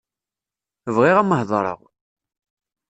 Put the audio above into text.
Bɣiɣ ad am-heḍṛeɣ.